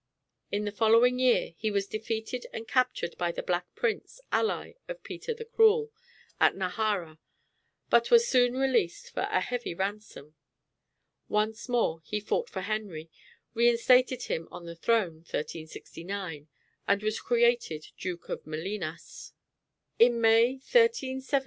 In the following year he was defeated and captured by the Black Prince, ally of Peter the Cruel, at Najara, but was soon released for a heavy ransom. Once more he fought for Henry, reinstated him on the throne (1369), and was created Duke of Molinas. [Illustration: Bertrand du Guesclin.